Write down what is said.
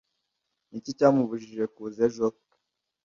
Ni iki cyamubujije kuza ejo?